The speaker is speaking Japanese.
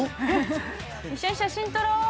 一緒に写真撮ろう。